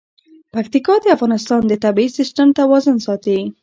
پکتیکا د افغانستان د طبعي سیسټم توازن ساتي.